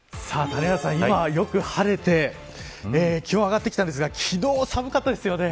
谷原さん、今はよく晴れて気温が上がってきたんですが昨日、寒かったですよね。